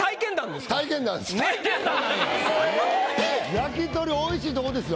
・焼き鳥おいしいとこですよ